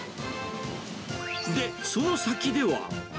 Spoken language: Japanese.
で、その先では。